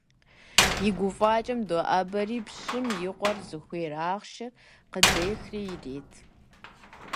И гуфӀакӀэм доӀэбэри, пщым и къуэр зыхуей ахъшэр къыдехри ирет.